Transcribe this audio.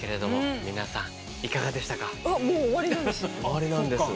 終わりなんです。